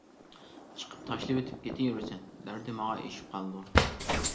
چېقىپ تاشلىۋېتىپ كېتىۋېرىسەن، دەردى ماڭا ئېشىپ قالىدۇ.